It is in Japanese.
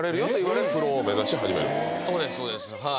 そうですそうですはい